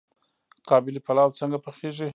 قابلي پلاو څنګه پخیږي؟